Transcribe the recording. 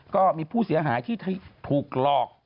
ก็มีผู้เสียหายทีโทรคลอก